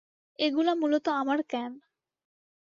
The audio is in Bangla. এগুলা মূলত আমার ক্যান।